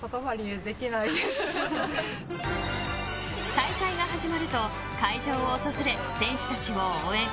大会が始まると、会場を訪れ選手たちを応援。